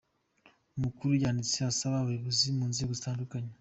Umukuru yanditse asaba abayobozi mu nzego zitandukanye.